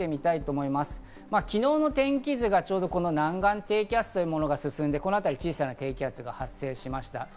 昨日の天気図がちょうどこの南岸低気圧というものが進んで、この辺り、小さな低気圧が発生しました。